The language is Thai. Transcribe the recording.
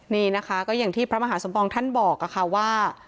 นี่นะคะก็อย่างที่พระมหาสมปองท่านบอกค่ะว่า